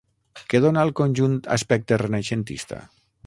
Què dóna al conjunt aspecte renaixentista?